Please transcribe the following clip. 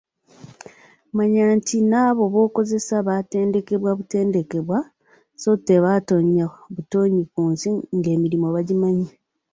Manya nti n'abo b'okozesa baatendekebwa butendekebwa so tebaatonya butonyi ku nsi ng'emirimu bagimanyi !